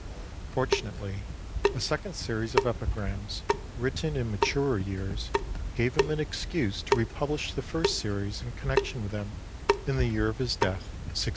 Fortunately a second series of epigrams, written in maturer years, gave him an excuse to republish the first series in connection with them, in the year of his death, 1619.